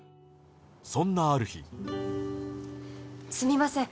そんなある日すみません。